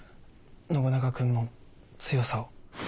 信長君の強さを。